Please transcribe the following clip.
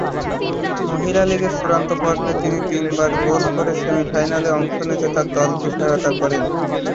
মহিলা লীগের চূড়ান্ত পর্বে তিনি তিনবার গোল করে সেমিফাইনালে অংশ নিতে তার দলকে সহায়তা করেন।